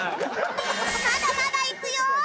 まだまだいくよ！